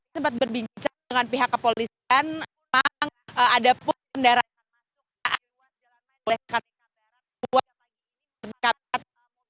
tadi sempat berbincang dengan pihak kepolisian memang ada pun kendaraan yang akan diperolehkan untuk membuat penyekatan